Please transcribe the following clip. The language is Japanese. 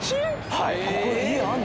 はい。